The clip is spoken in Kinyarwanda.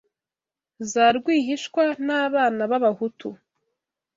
za rwihishwa n’abana b’abahutu